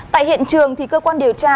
tại hiện trường thì cơ quan điều tra